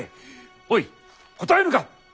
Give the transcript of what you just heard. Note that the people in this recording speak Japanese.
おい答えぬか！